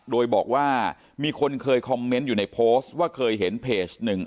โดยบอกว่ามีคนเคยคอมเมนต์อยู่ในโพสต์ว่าเคยเห็นเพจหนึ่ง